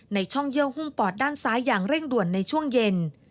ช่องเยื่อหุ้มปอดด้านซ้ายอย่างเร่งด่วนในช่วงเย็น